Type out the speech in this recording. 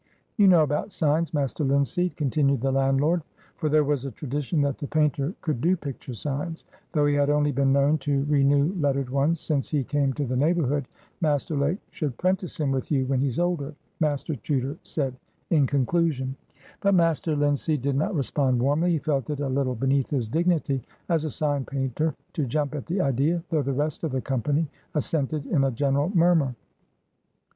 You know about signs, Master Linseed," continued the landlord. For there was a tradition that the painter could "do picture signs," though he had only been known to renew lettered ones since he came to the neighborhood. "Master Lake should 'prentice him with you when he's older," Master Chuter said in conclusion. But Master Linseed did not respond warmly. He felt it a little beneath his dignity as a sign painter to jump at the idea, though the rest of the company assented in a general murmur.